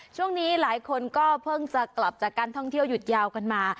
ช่วงนี้หลายคนก็เพิ่งจะกลับจากการท่องเที่ยวหยุดยาวกันมา